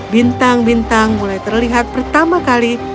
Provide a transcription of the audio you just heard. bintang bintang mulai terlihat pertama kali